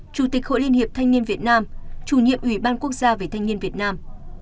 chủ tịch hội liên hiệp thanh niên việt nam chủ nhiệm ủy ban quốc gia về thanh niên việt nam